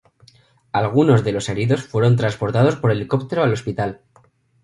Algunos de los heridos fueron transportados por helicóptero a un hospital.